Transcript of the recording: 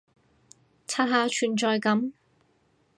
刷下存在感